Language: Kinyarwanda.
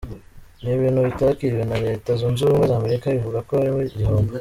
Ni ibintu bitakiriwe na Leta zunze ubumwe za Amerika ivuga ko harimo igihombo.